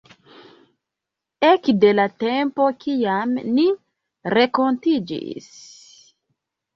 Ekde la tempo kiam ni renkontiĝis...